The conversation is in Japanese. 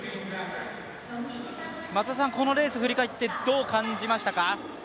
このレース振り返ってどう感じましたか？